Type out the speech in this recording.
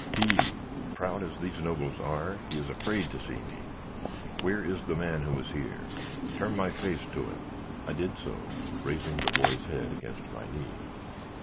"'He! Proud as these Nobles are, he is afraid to see me. Where is the man who was here? Turn my face to him.' "I did so, raising the boy's head against my knee.